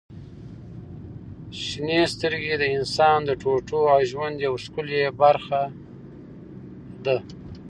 • شنې سترګې د انسان د ټوټو او ژوند یوه ښکلي برخه دي.